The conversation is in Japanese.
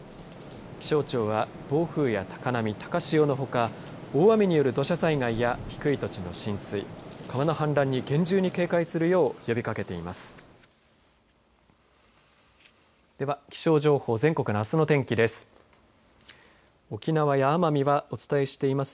気象庁は暴風や高波高潮のほか大雨による土砂災害や低い土地の浸水川の氾濫に厳重に警戒するよう呼びかけています。